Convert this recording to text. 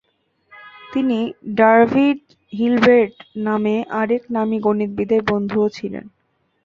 তিনি David Hilbert নামে আরেক নামী গণিতবিদের বন্ধুও ছিলেন।